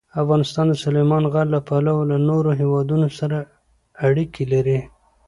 افغانستان د سلیمان غر له پلوه له نورو هېوادونو سره اړیکې لري.